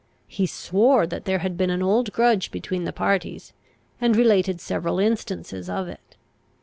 He swore that there had been an old grudge between the parties, and related several instances of it.